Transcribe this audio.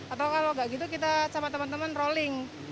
atau kalau nggak gitu kita sama teman teman rolling